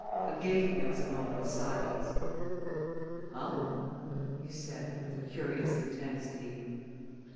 Again there was a moment's silence. "Ah!" he said, with a curious intensity.